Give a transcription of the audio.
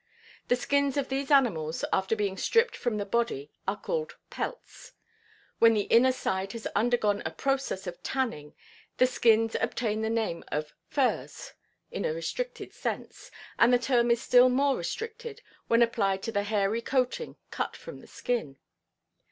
The skins of these animals after being stripped from the body are called "pelts"; when the inner side has undergone a process of tanning the skins obtain the name of "furs" in a restricted sense, and the term is still more restricted when applied to the hairy coating cut from the skin.